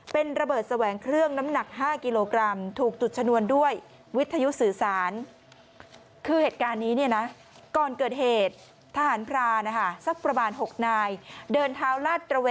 เป็นระเบิดแสวงเครื่องน้ำหนัก๕กิโลกรัมถูกจุดชนวนด้วยวิทยุสื่อสาร